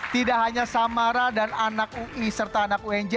tidak hanya samara dan anak ui serta anak unj